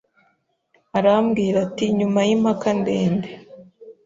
Arambwira ati Nyuma y'impaka ndende